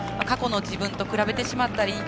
過去の自分と比べてしまったり。